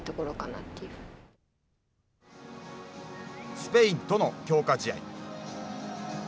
スペインとの強化試合。